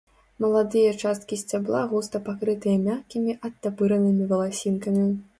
Маладыя часткі сцябла густа пакрытыя мяккімі адтапыранымі валасінкамі.